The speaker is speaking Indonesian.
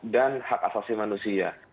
dan hak asasi manusia